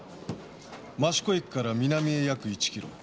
益子駅から南へ約１キロ。